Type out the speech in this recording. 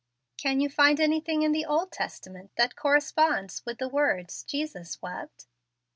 Can you find anything in the Old Testament that corresponds with the words 'Jesus wept'?"